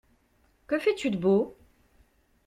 Que fais-tu de beau?